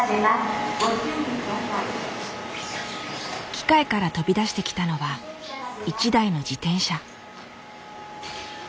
機械から飛び出してきたのは一台の自転車。